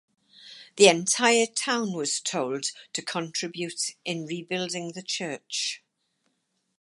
The entire town was told to contribute in rebuilding the church.